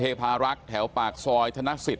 ตำรวจต้องไล่ตามกว่าจะรองรับเหตุได้